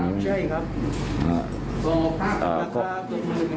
ใช่ครับ